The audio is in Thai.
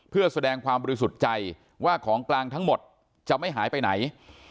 เพื่อแสดงความบริสุทธิ์ใจว่าของกลางทั้งหมดจะไม่หายไปไหน